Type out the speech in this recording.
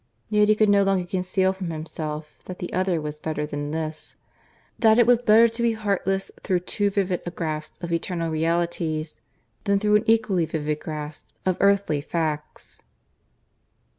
Yet he could no longer conceal from himself that the other was better than this that it was better to be heartless through too vivid a grasp of eternal realities, than through an equally vivid grasp of earthly facts.